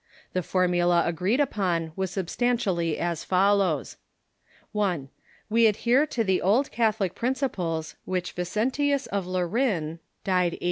The formula agreed upon was substantially as follows: 1. We adhere to the old Catholic principles which Vincentius of Le rin (died a.